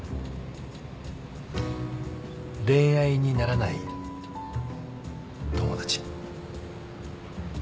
恋愛にならない友達。